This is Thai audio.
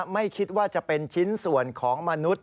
ไม่คิดว่าจะเป็นชิ้นส่วนของมนุษย